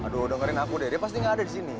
aduh dengerin aku deh dia pasti gak ada disini